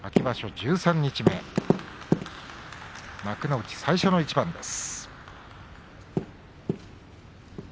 十三日目幕内最初の一番です。